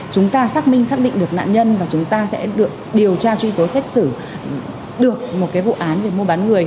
chúng ta xác minh xác định được nạn nhân và chúng ta sẽ được điều tra truy tố xét xử được một vụ án về mua bán người